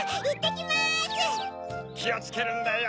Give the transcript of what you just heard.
きをつけるんだよ。